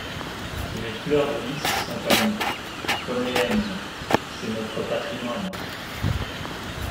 Les fleurs de lys sont à nous comme les N. C’est notre patrimoine.